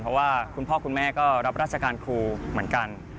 เพราะว่าคุณพ่อคุณแม่ก็รับราชการครูเหมือนกัน